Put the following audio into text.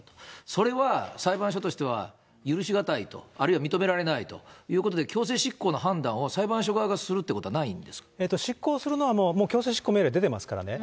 それは裁判所としては許し難いと、あるいは認められないということで強制執行の判断を裁判所側がす執行するのは、もう強制執行命令出てますからね。